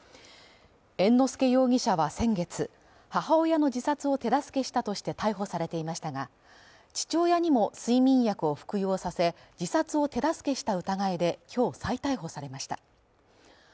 猿之助容疑者は先月、母親の自殺を手助けしたとして逮捕されていましたが、父親にも睡眠薬を服用させ、自殺を手助けした疑いで、今日、再逮捕されました。